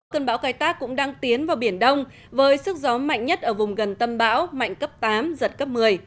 cơn bão cài tát cũng đang tiến vào biển đông với sức gió mạnh nhất ở vùng gần tâm bão mạnh cấp tám giật cấp một mươi